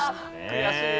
悔しい。